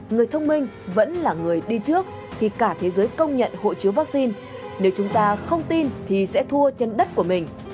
người thông minh vẫn là người đi trước khi cả thế giới công nhận hộ chiếu vaccine nếu chúng ta không tin thì sẽ thua trên đất của mình